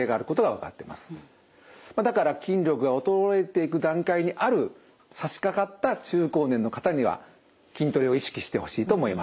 だから筋力が衰えていく段階にあるさしかかった中高年の方には筋トレを意識してほしいと思います。